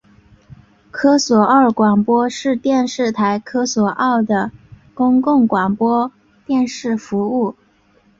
科索沃广播电视台是科索沃的公共广播电视服务。